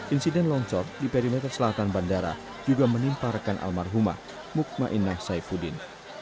insiden longsor di perimeter selatan bandara juga menimpa rekan almarhumah mukmainah ⁇ saifuddin